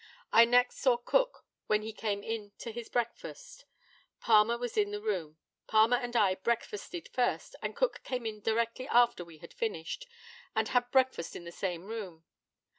I next saw Cook when he came in to his breakfast. Palmer was in the room. Palmer and I breakfasted first, and Cook came in directly after we had finished, and had breakfast in the same room.